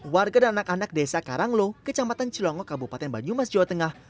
warga dan anak anak desa karanglo kecamatan cilongok kabupaten banyumas jawa tengah